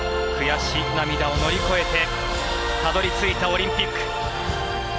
悔し涙を乗り越えてたどり着いたオリンピック。